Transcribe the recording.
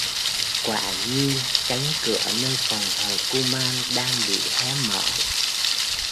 Quả nhiên cánh cửa nơi phòng thờ kuman đang bị hé mở